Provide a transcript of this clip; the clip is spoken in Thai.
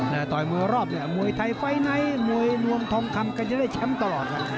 แต่ต่อยมวยรอบเนี่ยมวยไทยไฟล์ไหนมวยนวมทองคำก็จะได้แชมป์ตลอด